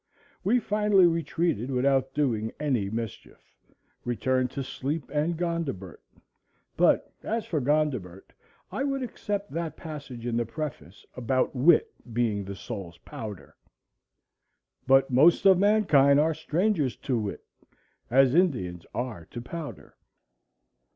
We finally retreated without doing any mischief,—returned to sleep and Gondibert. But as for Gondibert, I would except that passage in the preface about wit being the soul's powder,—"but most of mankind are strangers to wit, as Indians are to powder."